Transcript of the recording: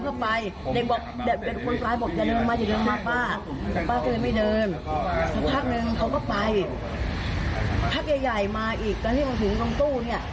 ก็วิ่งหนีช่วยด้วยไม่มีใครช่วยเลย